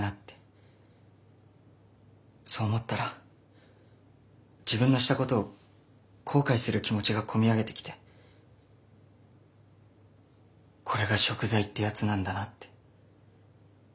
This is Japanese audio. そう思ったら自分のしたことを後悔する気持ちが込み上げてきてこれがしょく罪ってやつなんだなって。